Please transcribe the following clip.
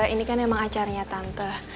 ini kan emang acaranya tante